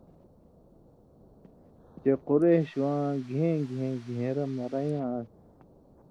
چےۡ قُریشواں گھېں گھېں گھېن٘رہ مرَیں یاں آن٘س